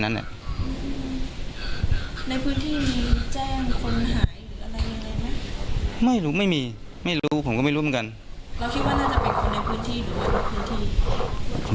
หลังจากพบศพผู้หญิงปริศนาตายตรงนี้ครับ